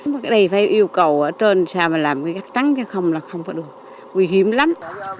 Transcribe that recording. cái này phải yêu cầu ở trên xa mà làm cái gắt trắng chứ không là không có đường nguy hiểm lắm